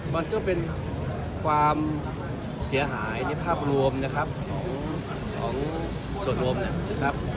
มันก็เป็นความเสียหายในภาพรวมนะครับของส่วนรวมนะครับ